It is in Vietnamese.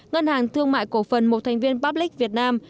ngân hàng thương mại cổ phần một thành viên boblic việt nam